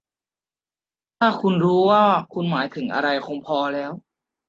ถ้าคุณรู้ว่าคุณหมายถึงอะไร คงพอแล้ว